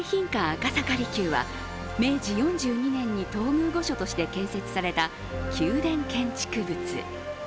赤坂離宮は明治４２年に東宮御所として建設された宮殿建築物。